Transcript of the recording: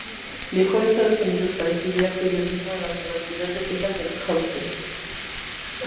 Viajó a Estados Unidos para estudiar periodismo en la Universidad de Texas en Austin.